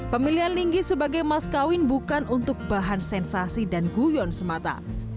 pemilihan linggis sebagai mas kawin bukan untuk bahan sensasi dan guyon semata